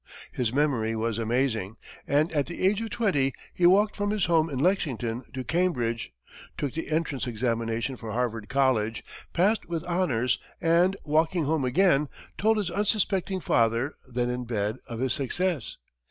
His memory was amazing, and at the age of twenty he walked from his home in Lexington to Cambridge, took the entrance examination for Harvard College, passed with honors, and, walking home again, told his unsuspecting father, then in bed, of his success.